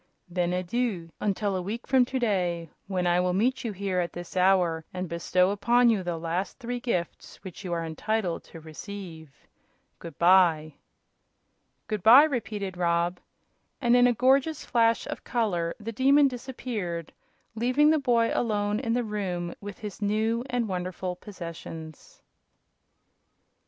"Then adieu until a week from to day, when I will meet you here at this hour and bestow upon you the last three gifts which you are entitled to receive. Good by!" "Good by!" repeated Rob, and in a gorgeous flash of color the Demon disappeared, leaving the boy alone in the room with his new and wonderful possessions.